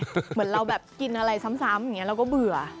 เหมือนเราแบบกินอะไรซ้ำอย่างนี้เราก็เบื่อ